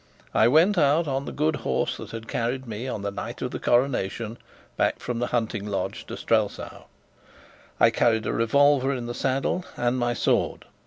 I went out on the good horse which had carried me, on the night of the coronation, back from the hunting lodge to Strelsau. I carried a revolver in the saddle and my sword.